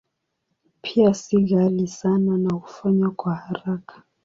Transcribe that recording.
Pia si ghali sana na hufanywa kwa haraka.